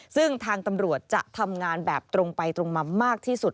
ซึ่งทางตำรวจจะทำงานแบบตรงไปตรงมามากที่สุด